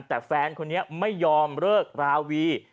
แต่แฟนคนนี้ไม่ยอมเลิกราวี